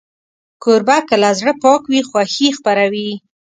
کوربه که له زړه پاک وي، خوښي خپروي.